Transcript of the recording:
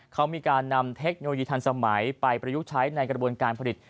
เขามีการนำเทคโนโลยีทันสมัยไปประยุกต์ใช้ในกระบวนการผลิต